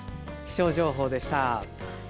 気象情報でした。